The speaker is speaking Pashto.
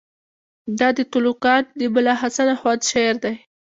دا د تُلُقان د ملاحسن آخوند شعر دئ.